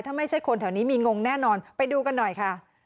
ถ้าไม่ใช่คนแถวนี้มีงงแน่นอนไปดูกันหน่อยค่ะ